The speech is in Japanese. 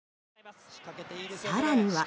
更には。